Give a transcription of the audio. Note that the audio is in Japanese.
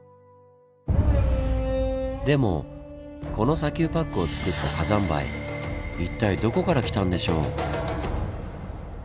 でもこの砂丘パックをつくった火山灰一体どこから来たんでしょう？